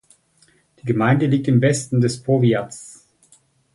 Die Gemeinde liegt im Westen des Powiats.